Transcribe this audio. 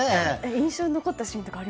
印象に残ったシーンは？